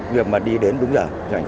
việc mà đi đến đúng giờ